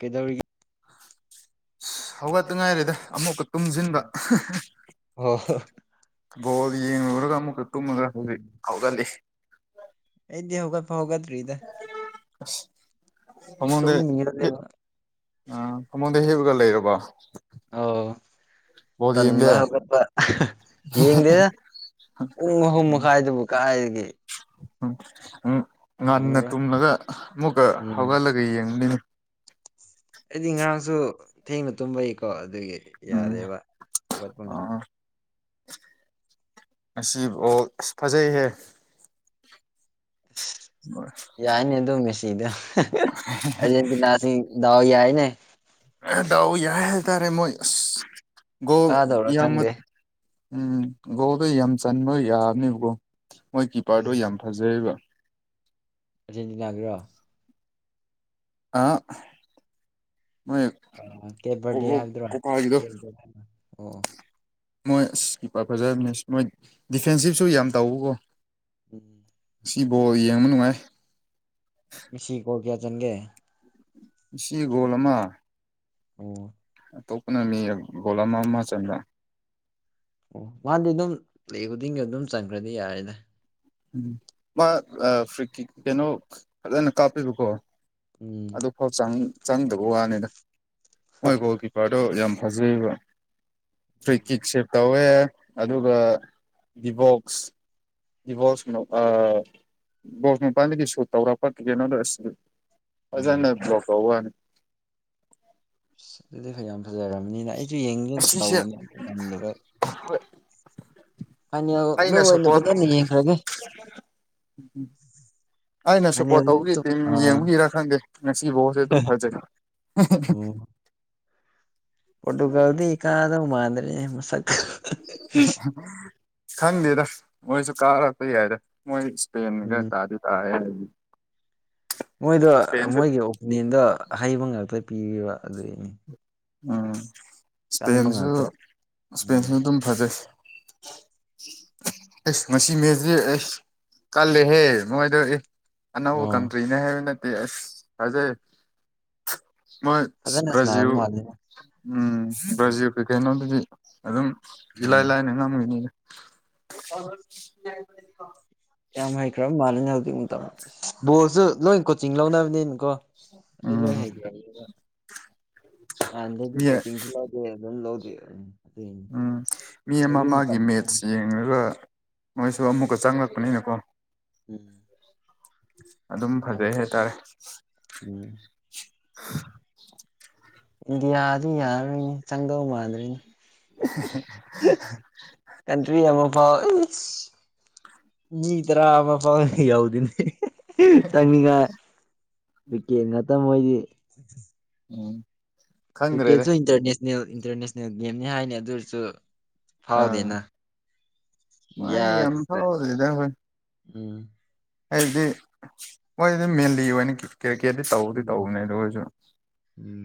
ꯀꯩꯗꯧꯔꯤ ꯑ ꯍꯧꯒꯠꯇ ꯉꯥꯏꯔꯦꯗ ꯑꯃꯨꯛꯀ ꯇꯨꯝꯁꯤꯟꯕ ꯍꯣ ꯕꯣꯜ ꯌꯦꯡꯂꯨꯔꯒ ꯑꯃꯨꯛꯀ ꯇꯨꯝꯃꯒ ꯎꯝ ꯍꯧꯖꯤꯛ ꯐꯥꯎꯒꯜꯂꯤ ꯑꯩꯗꯤ ꯍꯧꯒꯠ ꯐꯥꯎ ꯍꯧꯒꯗ꯭ꯔꯤꯗꯥ꯫ ꯃꯥꯉꫭꯟꯗꯥ ꯇꯨꯝꯃꯤꯔꯅꯦ ꯑꯥ ꯃꯣꯥꯉꫭꯟꯗ ꯍꯦꯛꯂꯒ ꯂꯩꯔꯕꯔꫭ ꯑꯧ ꯇꯟꯕ ꯍꯧꯒꯠꯄꯥ ꯌꯦꯡꯗꯦꯗꯥ ꯄꯨꯡ ꯑꯍꯨꯝ ꯎꯝ ꯃꯈꯥꯏꯗꯨꯕꯨ ꯀꯥꯏꯗꯒꯤ꯫ ꯎꯝ ꯎ ꯉꯟꯅꯥ ꯉꯝꯃꯔꯣꯏ ꯇꯨꯝꯂꯒ ꯑꯃꯨꯛꯀꯥ ꯎꯝ ꯍꯧꯒꯠꯂꯒꯥ ꯌꯦꯡꯕꯅꯤꯅꯦ꯫ ꯑꯩꯗꯤ ꯉꯔꯥꯡꯁꯨ ꯊꯦꯡꯅ ꯇꯨꯝꯕꯩꯀꯣ ꯑꯗꯨꯒꯤ ꯎꯝ ꯌꯥꯗꯦꯕ ꯑꯋꯥꯠꯄ ꯉꯝꯗꯦ ꯑꯁꯤꯕꯨ ꯑꯥꯁ ꯐꯖꯩꯍꯦ ꯌꯥꯏꯅꯦ ꯑꯗꯨꯝ ꯃꯦꯁꯤꯗꫭ ꯑꯔꯖꯦꯟꯇꯤꯅꯥ ꯑꯁꯤ ꯗꯥꯎ ꯌꯥꯏꯅꯦ꯫ ꯑꯥꯑ ꯌꯥꯏ ꯍꯥꯏꯕꯥ ꯇꯔꯦ ꯃꫭꯏ ꯒꫭꯟ ꯀꯥꯗꯧꯔꯥ ꯌꯥꯝꯅꯥ ꯈꯪꯗꯦ ꯎꯝꯝ ꯒꯣꯜꯗꯣ ꯌꯥꯝꯅ ꯆꯟꯕ ꯌꯥꯕꯅꯦꯕꯀꯣ ꯃꯣꯏ ꯀꯤꯄꯔꯗꯣ ꯌꯥꯝ ꯐꯖꯩꯑꯕꯥ꯫ ꯑꯔꯖꯦꯟꯇꯤꯅꯥꯒꯤ ꯂꫭ? ꯑꯥꯑꯑ ꯃꯣꯏ ꯑꯥ ꯀꯦꯕꯔꯗꯦ ꯀꯣꯀꯣ ꯍꯥꯏꯕꯔꯥ ꯀꯣꯀꯥꯒꯤꯗꯣ ꯀꯦꯔ ꯕꯥꯔꯠ ꯑꫭ ꯃꯣꯏ ꯑꯥꯁ ꯀꯤꯞꯄꯔ ꯐꯖꯕꯅꯤ ꯃꯣꯏ ꯗꯤꯐꯦꯟꯁꯤꯞꯁꯨ ꯌꯥꯝ ꯇꯧꯕꯥꯀꯣ ꯎꯝꯝ ꯁꯤ ꯕꫭꯟ ꯌꯦꯡꯕ ꯅꯨꯡꯉꯥꯏ꯫ ꯃꯤꯁꯤ ꯒꫭꯟ ꯀꯌꯥ ꯆꯟꯒꯦ? ꯃꯤꯁꯥ ꯒꯣꯜ ꯑꯃꯥ ꯑꯣꯑꫭ ꯑꯇꯣꯞꯄꯥ ꯑꯅꯤꯅꯥ ꯒꯣꯜ ꯑꯃ ꯑꯃ ꯆꯜꯔ° ꯑꯣꯑ ꯃꯥꯗꯤ ꯑꯗꯨꯝ ꯄꯔ° ꯈꯨꯗꯤꯡꯒꯤ ꯑꯗꯨꯝ ꯆꯪꯈ꯭ꯔꯗꯤ ꯌꯥꯔꯦꯗꯥ꯫ ꯎꯝ ꯃꯥ ꯐꯔꯤ ꯀꯤꯛ ꯀꯩꯅꫭ ꯐꯖꯅ ꯀꯥꯞꯄꯤꯕꯀꯣ ꯎꯝꯝ ꯍꯣꯜ ꯆꯪ ꯆꯪꯗꯕ ꯋꯥꯅꯤꯗ ꯃꯣꯏ ꯒꯣꯜ ꯀꯤꯞꯄꯔꯗꯣ ꯌꯥꯝ ꯐꯖꯩꯌꯦꯕ ꯐ꯭ꯔꯤ ꯀꯤꯛ ꯁꯦꯞ ꯇꯧꯋꯦ ꯑꯗꯨꯒꯒꯥ ꯗꯤꯕꯣꯛꯁ ꯗꯤꯕꯣꯁ ꯑ ꯗꯤꯕꯣꯁ ꯃꯄꯥꯟꯗꯒꯤ ꯁꯨꯠ ꯇꯧꯔꯛꯄ ꯀꯩꯅꯗꫭ ꯑꯥꯁ ꯎꯝ ꯐꯖꯅ ꯗꯔꫭꯞ ꯇꯧꯕꯩ ꯋꯥꯅꯤ ꯑꯁ ꯑꯗꯨꯗꯤ ꯐꯥꯅꯤꯌꯥꯝ ꯐꯖꯔꯕꯅꯤꯅ ꯑꯩꯁꯨ ꯌꯦꯡꯒꯦ ꯑꯁꯤꯁꯦ ꯇꯧꯅꯤ ꯑꯗꯨꯗꯥ ꯉꯝꯗꯕ ꯐꯥꯏꯅ°ꯜꯗꯥ ꯑꯩꯅ ꯑꯣꯏꯅ ꯁꯞꯄꯣꯔꯠ ꯐꯖꯅ ꯌꯦꯡꯈ꯭ꯔꯒꯦ ꯑꯩꯅ ꯁꯄꯣꯔꯠ ꯐꯥꯏꯅꯦꯜꯗꯗꯤ ꯇꯧꯕꯒꯤ ꯇꯨꯝ ꯇꯤꯝ ꯑꯥ ꯌꯦꯡꯕꯒꯤꯔꯥ ꯈꯪꯗꯦ ꯉꯁꯤꯒꯤ ꯕꫭꯟꯁꯤ ꯑꯗꯨꯝ ꯐꯖꯩ ꯄꯔꫭꯇꯨꯒꯗꯤ ꯀꯥꯗꯧꯕꯥ ꯃꯥꯗ꯭ꯔꯤꯅꯦ ꯃꯁꯛꯇꫭ ꯈꯪꯗꯦꯗ ꯃꯣꯏꯁꯨ ꯀꯥꯔꯄꯥ ꯌꯥꯏꯗꯥ ꯃꯣꯏ ꯏꯁꯄꯦꯟꯒꯥ ꯎꯝ ꯇꯥꯗꯤ ꯇꯥꯏꯌꯦ ꯍꯥꯏꯕꯅꯤ ꯃꯣꯏꯗꯣ ꯃꯣꯏꯒꯤ ꯑꯣꯄꯤꯅꯤꯌꯟꯗꯣ ꯍꯩꯕ ꯉꯥꯛꯇꯥ ꯄꯤꯌ°ꯕꯥ ꯑꯗꯨꯒꯤꯅꯤ ꯎꯝ ꯏꯁꯄꯦꯟꯖꯨ ꯉꯥꯛꯇ ꯎꯝ ꯏꯁꯄꯦꯟꯁꯨ ꯑꯗꯨꯝ ꯐꯖꯩ ꯑꯁ ꯉꯁꯤ ꯃꯦꯁꯇꯤ ꯑꯩꯁ ꯀꯜꯂꯦꯍꯦ ꯃꫭꯏꯗꫭ ꯑꯦ ꯑꯅꯧꯕꯥ ꯑꯣ ꯀꯟꯇ꯭ꯔꯤꯅꯦ ꯍꯥꯏꯕꯥ ꯅꯠꯇꯦ ꯑꯥꯁ ꯊꯥꯖꯩ ꯃꯣꯏ ꯐꯖꯅꯥ ꯁꯟꯅꯥꯕꯥ ꯕ꯭ꯔꯥꯖꯤꯜ ꯃꯥꯜꯂꯤ ꯎꯝ ꯕ꯭ꯔꯥꯖꯤꯜ ꯀꯥ ꯀꯩꯅꯣꯗꯨꯗꯤ ꯑꯗꯨꯝ ꯏꯂꯥꯏ ꯎꯝ ꯂꯥꯏꯅ ꯉꯝꯒꯅꯤ ꯗꯥ [unintelligible] ꯌꯥꯝ ꯍꯩꯈ꯭ꯔꯕꯥ ꯃꯥꯜꯂꯅꯦ ꯍꯧꯖꯤꯛ ꯀꯤꯗꫭ ꯕꯣꯜꯁꯨ ꯂꯣꯏ ꯀꯣꯆꯤꯡ ꯂꯧꯅꯕꯅꯤꯅꯀꯣ ꯑꯗꯨꯏ ꯂꯣꯏ ꯎꯝ ꯍꯩꯒꯠꯔ°ꯕꯥ ꯍꯥꯟꯅꯗꯤꯒꯤ ꯃꯤ ꯀꯣꯆꯤꯡꯁꯨ [unintelligible] ꯎꯝ ꯃꯤ ꯑꯃ ꯍꯧꯖꯤꯛ ꯃꯥꯒꯤ ꯃꯇꯝ ꯎꯝ ꯃꯦꯠꯁ ꯌꯦꯡꯂꯡꯒꯥ ꯃꯣꯏꯁꯨ ꯑꯃꯨꯛꯀꯥ ꯆꯪꯂꯛꯄꯅꯤꯅꯀꯣ ꯎꯝ ꯑꯗꯨꯝ ꯌꯥꯝ ꯐꯖꯩ ꯍꯥꯏꯕ ꯆꯥꯏꯈꯤ ꯇꯥꯔꯦ ꯎꯝ ꯏꯟꯗꯤꯌꯥꯗꯤ ꯌꯥꯔꯔꯣꯏꯅ°ꯆꯪꯗꯧ ꯃꯥꯟꯗ꯭ꯔ°ꯅ° [unintelligible] ꯀꯟꯇ꯭ꯔꯤ ꯑꯃꯥꯐꯥꯎ ꯃꯤ ꯇꯔꯥꯃ ꯐꯥꯎ ꯌꯥꯎꯗꯦꯅꯦ ꯆꯪꯅꯤꯡꯉꯥꯏ ꯀꯔꯤꯀꯦꯠ ꯉꯥꯛꯇ ꯃꯣꯏꯗꯤ ꯎꯝ ꯈꯪꯗ꯭ꯔꯦꯗ ꯀ꯭ꯔꯤꯛꯀꯦꯠꯁꯨ ꯏꯟꯇꯔꯅꯦꯁꯅꯦꯜ ꯏꯟꯇꯔꯅꯦꯁꯅꯦꯜ ꯒꯦꯝꯅꯤ ꯍꯥꯏꯅꯤ ꯑꯗꯨ ꯑꯣꯏꯔꯁꯨ ꯑꯥ ꯐꯥꯎꯗꯦꯅ ꯃꯣꯏ ꯌꯥ ꯌꯥꯝ ꯐꯥꯎꯗ꯭ꯔꯤꯗ ꯎꯝ ꯑꯩꯗꯤ ꯃꯣꯏꯗꯤ ꯃꯦꯟꯂꯤ ꯑꯣꯏꯅ ꯀꯤ ꯀꯤꯔꯀꯦꯇꯇꯤ ꯇꯧꯗꯤ ꯎꯝ ꯇꯧꯕꯅꯦꯗ ꯑꯈꯣꯏꯁꯨ ꯎꯝ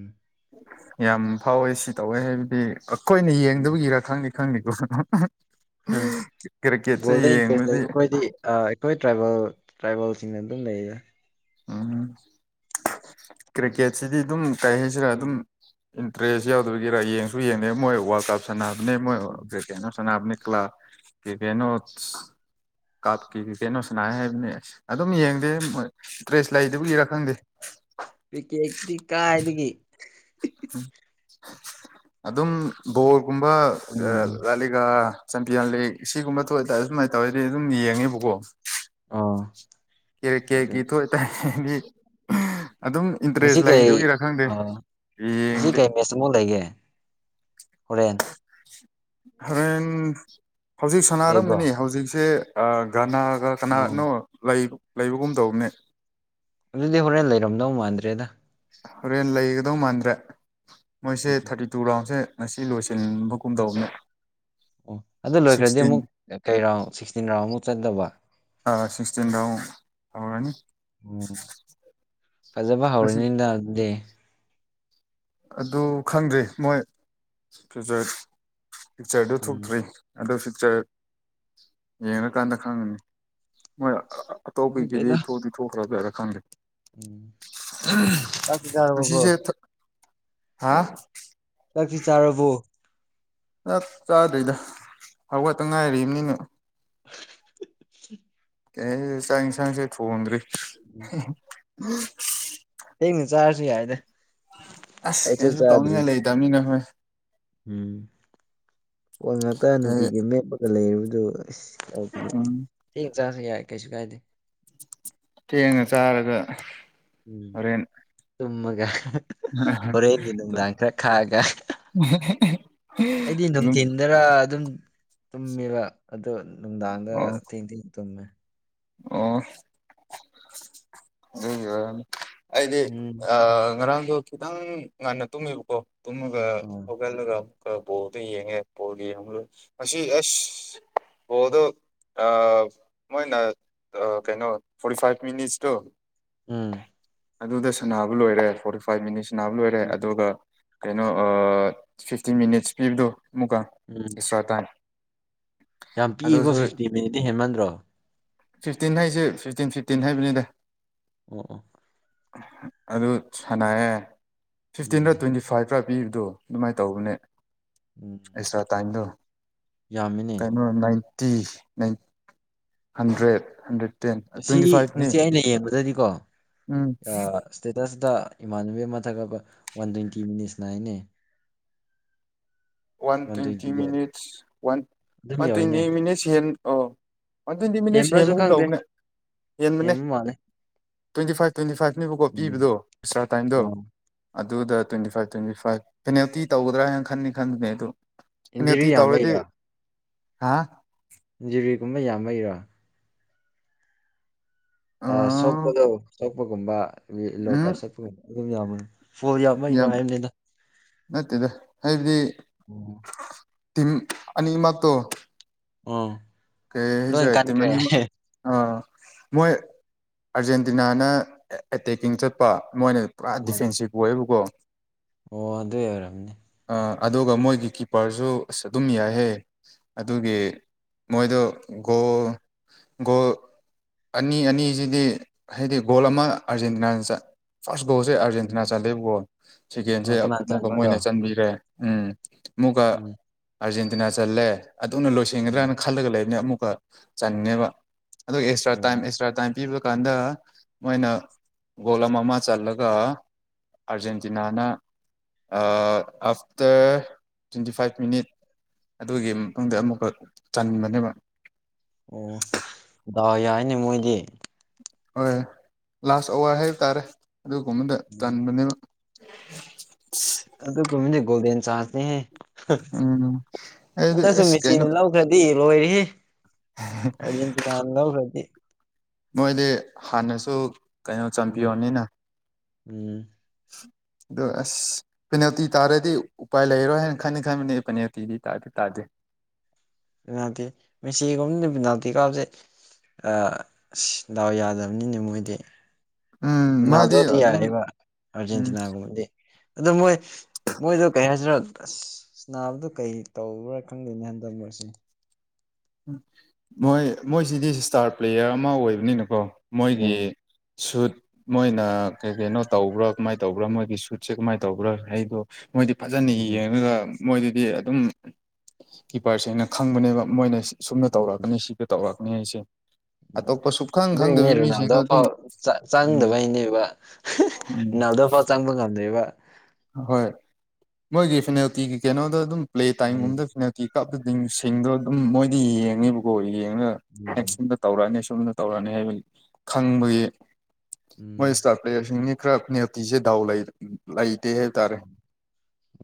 ꯌꯥꯝ ꯐꯥꯎꯋꯦ ꯁꯤ ꯇꯧꯋꯦ ꯍꯥꯏꯕꯗꯤ ꯑꯩꯈꯣꯏꯅ ꯎꯝ ꯌꯦꯡꯗꯕꯒꯤꯔꯥ ꯈꯪꯅꯤ ꯈꯪꯗꯦꯀꯣ ꯍꯥ ꯀ꯭ꯔꯤꯀꯦꯠꯁꯦ ꯌꯦꯡꯕꯗꯤ ꯑꯥ ꯑꯩꯈꯣꯏ ꯇ꯭ꯔꯥꯏꯕꯦꯜ ꯇ꯭ꯔꯥꯏꯕꯦꯜꯁꯤꯡꯅ ꯑꯗꯨꯝ ꯂꯩꯌꯦ ꯎꯝ ꯀ꯭ꯔꯤꯀꯦꯠꯁꯤꯗꯤ ꯑꯗꯨꯝ ꯀꯩ ꯍꯥꯏꯁꯤꯔꯥ ꯑꯗꯨꯝ ꯎꯝ ꯏꯟꯇꯔꯦꯁ ꯌꯥꯎꯗꯕꯒꯤꯔꯥ ꯌꯦꯡꯁꯨ ꯌꯦꯡꯅꯦ ꯃꯣꯏ ꯋꯥꯔꯜ ꯀꯞ ꯁꯥꯟꯅꯕꯅꯦ ꯃꯣꯏ ꯎꯝ ꯀꯩꯅꯣ ꯁꯥꯟꯅꯕꯅꯦ ꯀ꯭ꯂꯥ ꯀꯩ ꯀꯩꯅꯣ ꯀꯥꯞꯀꯤ ꯀꯩꯅꯣ ꯁꯥꯅꯥꯏ ꯍꯥꯏꯕꯅꯤ ꯑꯗꯨꯝ ꯌꯦꯡꯗꯦ ꯃꯣꯏ ꯇ꯭ꯔꯦꯁ ꯂꯩꯇꯕꯒꯤꯔꯥ ꯈꯪꯗꯦ ꯀ꯭ꯔꯤꯀꯦꯠꯇꯤ ꯀꯥꯏꯗꯒꯤ ꯑꯗꯨꯝ ꯕꯣꯜꯒꯨꯝꯕ ꯎꯝ ꯂꯥꯂꯤꯒ ꯆꯝꯄꯤꯌꯟ ꯂꯤꯒ ꯁꯤꯒꯨꯝꯕ ꯊꯣꯛꯑꯇꯥꯔꯗꯤ ꯁꯨꯃꯥꯏꯅ ꯇꯧꯋꯦꯗꯤ ꯑꯗꯨꯝ ꯌꯦꯡꯉꯦꯕꯀꯣ ꯑꯣ ꯀꯦꯔ ꯑꯗꯨ ꯀꯦꯒꯤ ꯊꯣꯛ ꯑꯣꯏ ꯇꯥꯔꯗꯤ ꯑꯗꯨꯝ ꯉꯁꯤ ꯏꯟꯇꯔꯦꯁ ꯂꯩꯗꯕꯒꯤꯔꯥ ꯈꯪꯗꯦ ꯌꯦꯡ ꯁꯤ ꯀꯩ ꯃꯦꯠꯆ ꯑꯃꯨ ꯂꯩꯒꯦ ꯍꯣꯔꯦꯟ ꯍꯣꯔꯦꯟ ꯍꯧꯖꯤꯛ ꯂꯩꯕ꯭ꯔꯣ ꯁꯥꯟꯅꯔꯝꯒꯅꯤ ꯍꯧꯖꯤꯛꯁꯦ ꯒꯅꯥꯒ ꯑꯣ ꯀꯅꯥꯅꯣ ꯂꯩꯕꯒꯨꯝ ꯇꯧꯕꯅꯦ ꯑꯗꯨꯗꯤ ꯍꯣꯔꯦꯟ ꯂꯩꯔꯝꯗꯧ ꯃꯥꯟꯗ꯭ꯔꯦꯗ꯬ ꯍꯣꯔꯦꯟ ꯂꯩꯒꯗꯧ ꯃꯥꯟꯗ꯭ꯔꯦ ꯃꯣꯏꯁꯦ ꯎꯝ ꯊꯥꯔꯇꯤ ꯇꯨ ꯔꯥꯎꯟꯁꯦ꯫ ꯉꯁꯤ ꯂꯣꯏꯁꯤꯟꯕꯒꯨꯝꯗꯧꯕꯅꯦ꯫ ꯑꯣ ꯑꯗꯨ ꯂꯣꯏꯈ꯭ꯔꯗꯤ ꯑꯃꯨꯛ ꯀꯩ ꯔꯥꯎꯟ ꯁꯤꯛꯁꯇꯤꯟ ꯔꯥꯎꯟꯃꯨꯛ ꯆꯠꯇꯕ꯫ ꯑꯥ ꯁꯤꯛꯁꯇꯤꯔꯥꯎ ꯍꯧꯔꯅꯤ꯫ ꯎꯝ ꯐꯖꯕ ꯉꯁꯤ ꯍꯧꯔꯅꯤꯗ ꯑꯗꯨꯗꯤ꯫ ꯑꯗꯨ ꯈꯪꯗ꯭ꯔꯦ ꯃꯣꯏ ꯐꯌꯨꯆꯔ ꯐꯤꯛꯆꯔꯗꯨ ꯎꯝ ꯊꯣꯛꯇ꯭ꯔꯤ꯫ ꯑꯗꯨ ꯐꯁꯤꯔ ꯌꯦꯡꯉꯀꯥꯟꯗ ꯈꯪꯉꯅꯤ ꯃꯣꯏ ꯑꯇꯣꯞꯄꯒꯤꯗꯤ ꯈꯪꯗ꯭ꯔꯦꯗ ꯊꯣꯛꯇꯤ ꯊꯣꯛꯈ꯭ꯔꯕ ꯌꯥꯥꯔꯥ ꯈꯪꯗꯦ ꯎꯝ ꯆꯥꯛꯇꯤ ꯆꯥꯔꯕꯣ ꯕ꯭ꯔꯣ ꯉꯁꯤꯁꯦ ꯍꯥ ꯆꯥꯛꯇꯤ ꯆꯥꯔꯕꯣ꯫ ꯆꯥꯛ ꯆꯥꯗ꯭ꯔꯤꯗ ꯍꯧꯋꯥꯠꯇ ꯉꯥꯏꯝꯅꯤꯅ꯫ [inaudible] ꯑꯦ ꯆꯥꯛ ꯌꯦꯟꯁꯥꯡꯁꯦ ꯊꯣꯡꯗ꯭ꯔꯤ꯫ ꯊꯦꯡꯅ ꯆꯥꯔꯁꯨ ꯌꯥꯏꯗ꯫ ꯑꯁ ꯑꯩꯁꯨ ꯀꯩꯁꯨ ꯆꯥꯗ꯭ꯔꯤ ꯇꯧꯅꯤꯡꯉꯥꯏ ꯂꯩꯇꯕꯅꯤꯅ ꯍꯣꯏ꯫ ꯎꯝ ꯄꯣꯟ ꯉꯥꯛꯇ ꯀꯩ ꯅꯨꯡꯇꯤꯒꯤ ꯃꯦꯞꯄꯒ ꯂꯩꯨꯗꯨ ꯑꯁ ꯎꯝ ꯊꯦꯡ ꯆꯥꯁꯨ ꯌꯥꯏ ꯀꯩꯁꯨ ꯀꯥꯏꯗꯦ꯫ ꯊꯦꯡꯅ ꯆꯔꯦꯒ ꯇꯨꯝꯃꯒ ꯍꯣꯔꯦꯟꯒꯤ ꯅꯨꯡꯗꯥꯡ ꯈꯔ ꯈꯥꯛꯑꯒ ꯑꯩꯗꯤ ꯑꯗꯨꯝ ꯅꯨꯡꯊꯤꯟ꯫ ꯗꯔꯥ ꯑꯗꯨꯝ ꯇꯨꯝꯃꯦꯕ ꯑꯗꯨꯗ ꯅꯨꯡꯗꯥꯡꯗ ꯑꯣ ꯊꯦꯡ ꯊꯦꯡ ꯇꯨꯝꯃꯦ꯫ ꯑꯣ ꯑꯗꯨ ꯑꯩꯗꯤ ꯎꯝ ꯑ ꯉꯔꯥꯡꯗꯣ ꯈꯤꯇꯪ ꯉꯟꯅ ꯇꯨꯝꯃꯤꯕꯀꯣ꯫ ꯇꯨꯝꯃꯒ ꯑꯣ ꯍꯧꯒꯜꯂꯒ ꯑꯃꯨꯛꯀ ꯕꯣꯜꯗ ꯌꯦꯡꯉꯦ ꯕꯣꯜ ꯌꯦꯡꯉꯨ ꯃꯁꯤ ꯑꯁ ꯕꯣꯜꯗꯣ꯫ ꯑ ꯃꯣꯏ ꯀꯩꯅꯣ ꯐꯣꯔꯇꯤ ꯐꯥꯏꯚ ꯃꯤꯅꯤꯠꯇꯣ꯫ ꯎꯝ ꯑꯗꯨꯗ ꯁꯥꯟꯅꯕ ꯂꯣꯏꯔꯦ ꯐꯣꯔꯇꯤ ꯐꯥꯏꯚ ꯃꯤꯅꯤꯠ ꯁꯥꯟꯅꯕ ꯂꯣꯏꯔꯦ ꯎꯝ ꯑꯗꯨꯒ ꯀꯩꯅꯣ ꯐꯤꯞꯇꯤꯟ ꯃꯤꯅꯤꯠꯁ ꯄꯤꯕꯗꯣ ꯑꯃꯨꯛꯀ ꯎꯝ ꯑꯦꯛꯁꯇ꯭ꯔꯥ ꯇꯥꯏꯝ꯫ ꯌꯥꯝ ꯄꯤꯛꯏꯀꯣ ꯑꯗꯨꯁꯨ ꯐꯤꯞꯇꯤꯟ ꯃꯤꯅꯤꯠꯇꯤ ꯍꯦꯟꯃꯟꯗ꯭ꯔꯣ꯫ ꯐꯤꯞꯇꯤꯟ ꯍꯥꯏꯁꯦ ꯐꯤꯞꯇꯤꯟ ꯐꯤꯞꯇꯤꯟ ꯍꯥꯏꯕꯅꯤꯗ꯫ ꯑꯣ ꯑꯣ꯫ ꯑꯗꯨ ꯁꯥꯟꯅꯔꯦ ꯐꯤꯞꯇꯤꯟꯔ ꯎꯝ ꯇꯣꯟꯢꯇꯤ ꯑꯦꯛꯁꯇ꯭ꯔꯥ ꯄꯤꯕꯗꯣ ꯑꯗꯨꯃꯥꯏꯅ ꯇꯧꯕꯅꯦ ꯎꯝ꯫ ꯑꯦꯛꯁꯇ꯭ꯔꯥ ꯇꯥꯏꯝꯗꯣ ꯌꯥꯝꯃꯤꯅꯦ ꯀꯩꯅꯣ ꯅꯥꯏꯟꯇꯤ ꯍꯟꯗ꯭ꯔꯦꯠ ꯍꯟꯗ꯭ꯔꯦꯠ ꯇꯦꯟ ꯉꯁꯤ ꯇ꯭ꯋꯦꯟꯇꯤ ꯐꯥꯏꯚꯅꯤ ꯉꯁꯤ ꯑꯩꯅ ꯌꯦꯡꯕꯗꯗꯤꯀꯣ꯫ ꯎꯝ ꯁ꯭ꯇꯦꯇꯁꯇ ꯏꯃꯥꯟꯅꯕꯤ ꯑꯃ ꯊꯛꯒꯠꯄ ꯋꯥꯟ ꯇ꯭ꯋꯦꯟꯇꯤ ꯃꯤꯅꯤꯠꯁ ꯅꯥꯏꯅꯦ ꯋꯥꯟ ꯇ꯭ꯋꯦꯟꯇꯤ ꯃꯤꯅꯤꯠꯁ ꯋꯥꯟ ꯑꯗꯨꯝ ꯋꯥꯟ ꯇ꯭ꯋꯦꯟꯇꯤ ꯌꯧꯋꯤꯅꯦ ꯃꯤꯅꯤꯠꯁ ꯍꯦꯟ ꯑꯣ ꯋꯥꯟ ꯇ꯭ꯋꯦꯟꯇꯤ ꯃꯤꯅꯤꯠꯁ ꯍꯦꯟꯕ꯭ꯔꯁꯨ ꯍꯦꯟꯕꯒꯨꯝ ꯈꯪꯗꯦ ꯇꯧꯕꯅꯦ ꯍꯦꯟꯕꯅꯦ꯫ ꯍꯦꯟꯕ ꯃꯥꯜꯂꯦ ꯇ꯭ꯋꯦꯟꯇꯤ ꯐꯥꯏꯚ ꯇ꯭ꯋꯦꯟꯇꯤ ꯐꯥꯏꯚ ꯅꯦꯕꯀꯣ ꯎꯝ ꯄꯕꯗꯣ ꯑꯦꯛꯁ꯭ꯔꯥ ꯇꯥꯏꯝꯗꯣ꯫ ꯑꯣ ꯑꯗꯨꯗ twenty five twenty five penalty ꯇꯧꯒꯗ꯭ꯔꯥ ꯍꯥꯏꯅ ꯈꯟꯗꯤ ꯈꯟꯕꯅꯦ ꯑꯗꯨ ꯏꯟꯖꯨꯔꯤ ꯄꯦꯅꯥꯜꯇꯤ ꯇꯧꯔꯗꯤ ꯌꯥꯝꯕꯩꯔꯥ ꯍꯥ ꯏꯟꯖꯨꯔꯤꯒꯨꯕ ꯌꯥꯝꯕꯩꯔꯣ꯫ ꯑꯥ ꯁꯣꯛꯄꯗꯣ ꯁꯣꯛꯄꯒꯨꯝꯕ ꯎꯝ ꯌꯦꯂꯦꯀꯥꯔ ꯁꯠꯄꯒꯨꯝꯕ ꯑꯗꯨꯝ ꯌꯥꯝꯕꯅꯤ꯫ ꯐꯣꯜ ꯌꯥꯝ ꯕꯩꯔꯣ ꯍꯥꯏꯕꯅꯤꯗ꯫ ꯅꯠꯇꯦꯗ ꯍꯥꯏꯗꯤ꯫ ꯎꯝ꯫ ꯇꯤꯝ ꯑꯅꯤ ꯃꯛꯇꯣ꯫ ꯑꯣ ꯀꯩ ꯂꯣꯏ ꯈꯥꯢꯁꯤꯒꯦ ꯇꯤꯝ ꯀꯟꯈ꯭ꯔꯦ ꯑꯅꯤ ꯃꯠ ꯑꯥ ꯃꯣꯏ ꯑꯔꯖꯦꯟꯇꯤꯅꯥꯅ ꯑꯦꯇꯦꯛꯀꯤꯡ ꯆꯠꯄ ꯃꯣꯏꯅ ꯄꯨꯔꯥ ꯗꯤꯐꯦꯟꯁꯤꯞ ꯑꯣꯏꯌꯦꯕꯀꯣ ꯑꯣ ꯑꯗꯨꯢ ꯑꯣꯏꯔꯝꯅꯤ ꯑꯗꯨꯒ ꯃꯣꯏꯒꯤ ꯀꯤꯄꯔꯁꯨ ꯑꯁ ꯑꯗꯨꯝ ꯌꯥꯏꯍꯦ ꯑꯗꯨꯒꯤ ꯃꯣꯏꯗꯣ ꯒꯣꯜ ꯒꯣꯜ ꯑꯅꯤ ꯑꯅꯤꯁꯤꯗꯤ ꯍꯥꯏꯗꯤ ꯒꯣꯜ ꯑꯃ ꯑꯥꯔꯖꯦꯟꯇꯤꯅꯥꯅ ꯆꯠꯕ ꯐꯥꯔꯁ ꯒꯣꯜꯁꯦ ꯑꯥꯔꯖꯦꯟꯇꯤꯅꯥ ꯎꯝ. ꯆꯠꯂꯦꯕꯀꯣ ꯁꯦꯀꯦꯟꯁꯦ ꯑꯣ ꯀꯅꯥ ꯑꯃꯨꯛꯀ ꯆꯟꯕ꯭ꯔꯗꯣ ꯃꯣꯏꯅ ꯆꯟꯕꯤꯈ꯭ꯔꯦ ꯎꯝ ꯃꯨꯛꯀ ꯎꯝ ꯑꯥꯔꯖꯦꯟꯇꯤꯅꯥ ꯆꯜꯂꯦ ꯑꯗꯨꯅ ꯑꯣ ꯂꯣꯏꯁꯟꯒꯗ꯭ꯔꯥꯅ ꯈꯜꯂꯒ ꯂꯩꯕꯅꯦ ꯑꯃꯨꯛꯀ ꯆꯥꯟꯂꯦꯕ ꯑꯗꯨꯒ ꯑꯦꯛꯁꯇ꯭ꯔꯥ ꯇꯥꯏꯝ ꯑꯦꯛꯁꯇ꯭ꯔꯥ ꯇꯥꯏꯝ ꯄꯤꯕ ꯀꯥꯟꯗ ꯃꯣꯏꯅ ꯒꯣꯂꯝ ꯑꯃ ꯆꯜꯂꯒ ꯑꯥꯔꯖꯦꯟꯇꯤꯅꯥꯅ ꯑꯐꯇꯔ ꯇ꯭ꯋꯦꯟꯇꯤ ꯐꯥꯏꯚ ꯃꯤꯅꯤꯠ ꯑꯗꯨꯒꯤ ꯃꯇꯨꯡꯗ ꯑꯃꯨꯛꯀ ꯆꯟꯕꯅꯦꯕ ꯑꯣ ꯗꯥꯡ ꯌꯥꯏꯅꯦ ꯃꯣꯏꯗꯤ ꯍꯣꯏ ꯂꯥꯁ ꯑꯋꯥꯔ ꯍꯥꯏꯕ ꯇꯥꯔꯦ ꯑꯗꯨꯒꯨꯝꯕꯗ ꯆꯟꯕꯅꯦꯕ ꯑꯗꯨꯒꯨꯕꯗꯤ ꯒꯣꯜꯗꯟ ꯆꯥꯟꯁ ꯁꯦ ꯎꯝ ꯑꯩꯗꯤ ꯑꯗꯨꯁꯨ ꯑꯁ ꯃꯦꯁꯤꯅ ꯀꯩꯅꯣ ꯂꯧ ꯂꯧꯈ꯭ꯔꯗꯤ ꯂꯣꯏꯔꯤ ꯑꯔꯖꯦꯟꯇꯤꯅꯥꯅ ꯂꯧꯈ꯭ꯔꯗꯤ ꯃꯣꯏꯗꯤ ꯍꯥꯟꯅꯁꯨ ꯀꯩꯅꯣ ꯎꯝ ꯆꯝꯄꯤꯌꯟꯅꯤꯅ ꯎꯝ ꯑꯗꯣ ꯑꯁ ꯄꯦꯅꯦꯜꯇꯤ ꯇꯥꯔꯗꯤ ꯎꯄꯥꯏ ꯂꯩꯔꯣꯏ ꯍꯥꯏꯅ ꯈꯟꯗꯤ ꯈꯟꯕꯅꯤ ꯄꯦꯅꯦꯜꯇꯤꯗꯤ ꯇꯥꯗꯤ ꯇꯥꯗꯦ ꯄꯦꯅꯦꯜꯇꯤ ꯃꯦꯁꯤꯒꯨꯝꯕꯅ ꯄꯦꯅꯦꯜꯇꯤ ꯀꯧꯕꯁꯦ ꯗꯥꯎ ꯌꯥꯗꯕꯅꯤꯅ ꯃꯣꯏꯗꯤ ꯎꯝ ꯃꯥꯗꯤ ꯔꯣꯅꯥꯜꯗꯣꯗꯤ ꯑꯗꯨꯝ ꯌꯥꯔꯛꯏꯕ ꯎꯝ ꯑꯥꯔꯖꯦꯟꯇꯤꯅꯥꯒꯨꯝꯕꯗꯤ ꯑꯣ ꯃꯣꯏ ꯃꯣꯏꯗꯣ ꯀꯩ ꯍꯥꯏꯁꯤꯔꯣ ꯑꯁ ꯅꯥꯕꯗꯨ ꯀꯩ ꯇꯧꯕ꯭ꯔꯥ ꯈꯪꯗꯣꯏꯅꯤ ꯍꯟꯗ ꯑꯣꯏꯨꯔꯁꯤ ꯃꯣꯏ ꯃꯣꯏꯁꯤꯗꯤ ꯏꯁꯇꯥꯔ ꯄ꯭ꯂꯦꯌꯔ ꯑꯃ ꯑꯣꯏꯕꯅꯤꯅꯀꯣ ꯃꯣꯏꯒꯤ ꯎꯝ ꯁꯨꯠ ꯃꯣꯏꯅ ꯀꯩ ꯀꯩꯅꯣ ꯇꯧꯕ꯭ꯔꯥ ꯀꯃꯥꯏ ꯇꯧꯕ꯭ꯔꯥ ꯃꯣꯏꯒꯤ ꯁꯨꯠꯁꯦ ꯀꯃꯥꯏꯅ ꯇꯧꯕ꯭ꯔꯥ ꯑꯩꯗꯣ ꯃꯣꯏꯗꯤ ꯐꯖꯅ ꯎꯝ ꯌꯦꯡꯉꯒ ꯃꯣꯏꯗꯗꯤ ꯑꯗꯨꯝ ꯀꯤꯄꯔꯁꯅ ꯈꯪꯕꯅꯦꯕ ꯃꯣꯏꯅ ꯁꯨꯝꯅ ꯎꯝ ꯇꯧꯔꯛꯀꯅꯤ ꯁꯤ ꯇꯧꯔꯛꯅꯤ ꯑꯩꯁꯦ ꯎꯝ ꯑꯇꯣꯞꯄꯁꯨ ꯑꯗꯨꯏꯅꯦ ꯔꯨꯅꯥꯜꯗꯣꯥꯎ ꯎꯝ ꯆꯪꯗꯕꯩꯅꯦꯕ ꯎꯝ ꯅꯗ ꯐ ꯆꯪꯕ ꯉꯝꯗꯣꯏꯕ ꯍꯣꯏ ꯃꯣꯏꯒꯤ ꯐꯤꯅꯥꯜꯇꯤꯒꯤ ꯀꯩꯅꯣꯗ ꯑꯗꯨꯝ ꯄ꯭ꯂꯦ ꯎꯝ ꯇꯥꯏꯝꯒꯨꯝꯕꯗ ꯐꯤꯅꯥꯜꯇꯤ ꯀꯞꯇꯗꯤꯁꯤꯡꯗꯣ ꯑꯗꯨꯝ ꯃꯣꯏꯗꯤ ꯌꯦꯡꯉꯦꯕꯀꯣ ꯌꯦꯡꯉꯒ ꯎꯝ ꯌꯦꯁꯤꯟꯕ ꯇꯧꯔꯛꯑꯅꯤ ꯁꯣꯨꯝꯅ ꯇꯧꯔꯛꯑꯅꯤ ꯍꯥꯏꯕ ꯈꯪꯕꯒꯤ ꯃꯣꯏ ꯎꯝ ꯏꯁꯇꯥꯔꯠ ꯄ꯭ꯂꯦꯌꯔꯁꯤꯡꯅꯤ ꯈ꯭ꯔ ꯅꯤꯌꯇꯤꯁꯦ ꯗꯥꯎ ꯂꯩ ꯂꯩꯗꯦꯍꯦ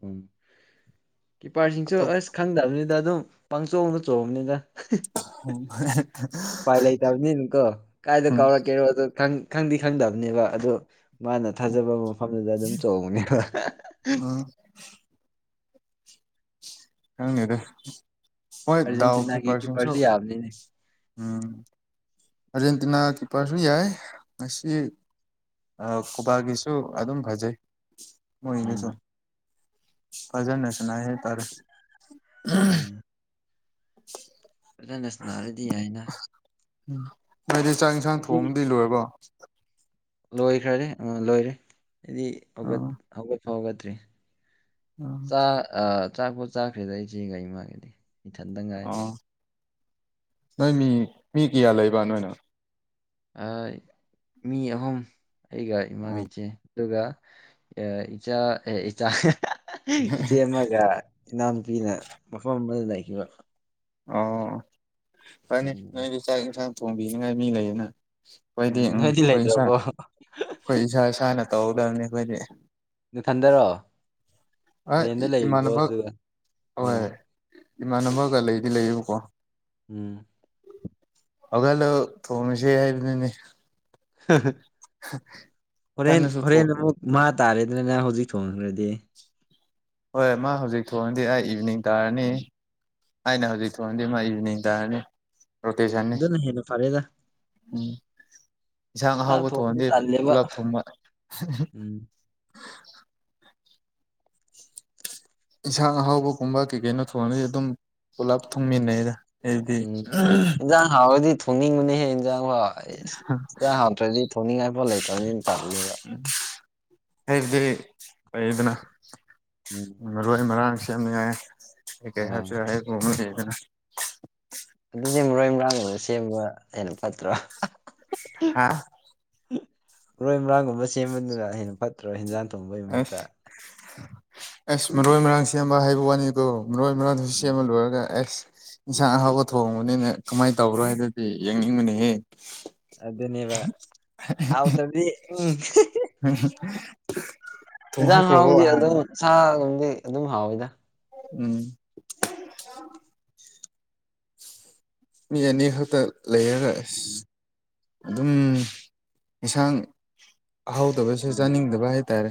ꯎ ꯀꯄꯥꯔꯁꯤꯡꯁꯤꯡ ꯑꯇꯣꯞ ꯆꯁ ꯈꯪꯗꯕꯅꯤꯗ ꯑꯗꯨꯝ ꯄꯪꯆꯣꯡꯅ ꯆꯣꯡꯕꯅꯤꯅ [unintelligible] ꯎꯄꯥꯏ ꯂꯩꯇꯕꯅꯤꯅꯀꯣ ꯀꯥꯏꯗ ꯀꯥꯎꯔꯛꯀꯦꯔꯣ ꯑ ꯈꯪꯗꯤ ꯈꯪꯗꯕꯅꯦꯕ ꯑꯗꯨ ꯃꯥꯅ ꯊꯥꯖꯕ ꯃꯐꯝꯗꯨꯗ ꯑꯗꯨꯝ ꯆꯣꯡꯕꯅꯦꯕ ꯎꯝ ꯍꯪꯅꯤꯗꯦ ꯍꯣꯏ ꯗꯎꯀꯤ ꯑꯥꯔꯖꯦꯟꯇꯤꯅꯥꯒꯤ ꯄꯔꯁꯤꯁꯨ ꯀꯤꯞꯄꯔꯁꯨ ꯌꯥꯕꯅꯤꯅꯦ ꯎꯝ ꯑꯥꯔꯖꯦꯟꯇꯤꯅꯥ ꯀꯤꯞꯄꯔꯁꯨ ꯌꯥꯏ ꯉ ꯀꯕꯥꯒꯤꯁꯨ ꯑꯗꯨꯝ ꯐꯖꯩ ꯃ ꯎꯝ ꯏꯅꯦꯁꯨ ꯐꯖꯁꯅꯍꯦ ꯇꯔꯦ ꯎꯝ ꯐꯖꯅꯁꯟꯅꯅꯥꯔꯗꯤ ꯍꯥꯏꯅ ꯎꯝ ꯍꯥꯏꯗꯤ ꯆꯥꯛ ꯏꯟꯁꯥꯡ ꯊꯣꯡꯕꯗꯤ ꯂꯣꯏꯔꯕꯣ ꯂꯣꯏꯈ꯭ꯔꯔꯦ ꯂꯣꯏꯔꯦ ꯑꯩꯗꯤ ꯍꯧ ꯑꯥ ꯍꯧꯒꯠꯄ ꯍꯧꯒꯠꯇ꯭ꯔꯤ ꯆꯥꯛꯄꯣ ꯆꯥꯈ꯭ꯔꯦꯗ ꯑꯩꯁꯦ ꯀꯒꯥꯩ ꯃꯥꯒꯗꯤ ꯑꯥ ꯅꯣꯏ ꯃꯤ ꯃꯤ ꯀꯌꯥ ꯂꯩꯕ ꯅꯣꯏꯅꯣ ꯃꯤ ꯑꯍꯨꯝ ꯑꯩꯒ ꯏꯃꯥꯒ ꯑꯣ ꯏꯆꯦ ꯑꯗꯨꯒ ꯏꯆꯥ ꯏꯆꯥ ꯏꯆꯦ ꯑꯃꯒ ꯏꯅꯥꯝꯄꯤꯅ ꯃꯐꯝ ꯑꯃꯗ ꯂꯩꯈꯤꯕ ꯑ ꯐꯅꯤ ꯑꯗꯨꯅꯤꯅꯦ ꯅꯣꯏꯗꯤ ꯆꯥꯛ ꯌꯦꯟꯁꯥꯡ ꯊꯣꯡꯕꯤꯅꯤꯉꯥꯏ ꯃꯤ ꯂꯩꯌꯦꯅ ꯑꯩꯈꯣꯏꯗꯤ ꯎꯝ ꯅꯣꯏꯗꯤ ꯑꯩꯈꯣꯏ ꯏꯁ ꯂꯩꯇ꯭ꯔꯕꯣ ꯑꯩꯈꯣꯏ ꯏꯁꯥ ꯏꯁꯥꯅ ꯇꯧꯍꯧꯗꯕꯅꯤ ꯑꯩꯈꯣꯏꯗꯤ ꯅꯊꯟꯗꯔꯣ ꯍ ꯔꯦꯟꯗ ꯂꯩꯔꯤꯕꯣ ꯏꯃꯥꯟꯅꯕ ꯑꯗꯨꯒ ꯑꯣ ꯍꯣꯏ ꯏꯃꯥꯟꯅꯕꯒ ꯂꯩꯗꯤ ꯂꯩꯌꯦꯕꯀꯣ ꯎꯝ ꯑꯣꯂꯣ ꯇꯣꯅꯤꯁꯦ ꯍꯥꯏꯅꯤꯅꯤ ꯍꯣꯔꯦꯟ ꯏꯊꯟꯗꯁꯨ ꯍꯣꯔꯦꯟ ꯊꯣꯡ ꯑꯃꯨꯛ ꯃꯥ ꯇꯥꯔꯦꯗꯅꯅ ꯍꯧꯖꯤꯛ ꯊꯣꯡꯈ꯭ꯔꯗꯤ ꯍꯣꯏ ꯃꯥ ꯍꯧꯖꯤꯛ ꯊꯣꯡꯗꯤ ꯑꯩ ꯏꯚꯤꯅꯤꯡ ꯇꯥꯔꯅꯤ ꯎꯝ ꯑꯩꯅ ꯍꯧꯖꯤꯛ ꯐꯣꯟꯗꯤ ꯃꯥ ꯏꯚꯅꯤꯡ ꯇꯥꯔꯅꯤ ꯔꯣꯀꯩꯁꯅꯤ ꯑꯗꯨꯅ ꯍꯦꯟꯅ ꯐꯔꯦꯗ ꯎꯝ ꯌꯦꯟꯁꯥꯡ ꯆꯥꯛ ꯑꯍꯥꯎꯕ ꯊꯣꯡꯕꯗꯤ ꯊꯣꯡꯍꯟꯗꯦ ꯇꯜꯂꯦꯕ ꯄꯨꯂꯞ ꯊꯨꯝꯕ ꯎꯝ ꯌꯦꯟꯁꯥꯡ ꯑꯍꯥꯎꯕꯒꯨꯝꯕ ꯀꯩ ꯀꯩꯅꯣ ꯊꯣꯡꯉꯅꯗꯤ ꯑꯗꯨꯝ ꯄꯨꯂꯞ ꯊꯨꯡꯃꯤꯟꯅꯩꯗ ꯑꯩꯗꯤ ꯎꯝ ꯏꯟꯖꯥꯡ ꯍꯥꯎꯔꯗꯤ ꯊꯣꯡꯅꯤꯡꯕꯅꯤꯍꯦ ꯏꯟꯖꯥꯡ ꯍꯥꯎ ꯑꯩꯁ ꯏꯥ ꯍꯥꯎꯇ꯭ꯔꯗꯤ ꯊꯣꯡꯅꯤꯡꯉꯥꯏꯐꯥꯎ ꯂꯩꯇꯕꯅꯤꯅ ꯇꯠꯂꯦꯕ ꯎ ꯑꯩꯕꯗꯤ ꯐꯩꯗꯅ ꯎꯝ ꯃꯔꯣꯏ ꯃꯔꯥꯡ ꯁꯦꯝꯅꯉꯥꯏ ꯀꯩ ꯀꯩ ꯑꯣ ꯍꯥꯁꯨ ꯌꯥꯒꯣꯕ ꯂꯩꯗꯅ ꯑꯗꯨꯗꯤ ꯃꯣꯔꯣꯏ ꯃꯔꯔꯥꯡꯕꯗ ꯁꯦꯝꯕ ꯍꯩꯅ ꯐꯠꯇ꯭ꯔꯣ ꯍꯥ ꯄꯨꯏ ꯃꯔꯥꯡꯒꯨꯝꯕ ꯁꯦꯝꯕꯅꯤꯅ ꯍꯦꯟꯅ ꯐꯠꯇ꯭ꯔꯣ ꯍꯦꯟꯖꯥꯡ ꯊꯣꯡꯕꯒꯤ ꯑꯁ ꯃꯍꯨꯠꯇ ꯑꯁ ꯃꯔꯣꯏ ꯃꯔꯥꯡ ꯁꯦꯝꯕ ꯍꯥꯏꯕ ꯋꯥꯅꯤꯀꯣ ꯃꯔꯣꯏ ꯃꯔꯥꯡꯗꯨꯁꯨ ꯎꯝ ꯁꯦꯝꯕ ꯂꯣꯏꯔꯒ ꯑꯁ ꯏꯟꯁꯥꯡ ꯑꯍꯥꯎꯕ ꯊꯣꯡꯕꯅꯤꯅ ꯀꯃꯥꯏꯅ ꯇꯧꯕ꯭ꯔꯣ ꯍꯥꯏꯗꯨꯗꯤ ꯌꯦꯡꯅꯤꯡꯕꯅꯤꯍꯦ ꯑꯗꯨꯗꯅꯦꯕ ꯍꯥꯎꯗꯗꯤ ꯎꯝ ꯍ [inaudible] ꯌꯦꯟꯁꯥꯡ ꯍꯥꯎꯗꯤ ꯑꯗꯨꯝ ꯁꯥꯒꯨꯝꯗꯤ ꯑꯗꯨꯝ ꯍꯥꯎꯋꯤꯗ ꯎꯝ ꯑ ꯃꯤ ꯑꯅꯤ ꯈꯛꯇ ꯂꯩꯔꯁ ꯑꯗꯨꯝ ꯌꯦꯟꯁꯥꯡ ꯍꯥꯎꯗꯕꯁꯨ ꯎꯝ ꯆꯥꯅꯤꯡꯗꯕ ꯍꯥꯏꯇꯥꯔꯦ